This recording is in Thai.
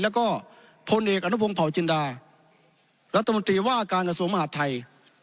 แล้วก็พลเอกอนุพงศ์เผาจินดารัฐมนตรีว่าการกระทรวงมหาดไทย